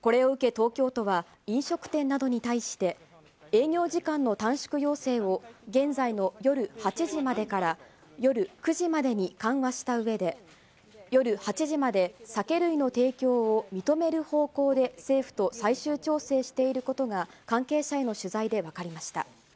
東京都は、飲食店などに対して、営業時間の短縮要請を、現在の夜８時までから、夜９時までに緩和したうえで、夜８時まで酒類の提供を認める方向で政府と最終調整していることが、関係者への取材で分かりました。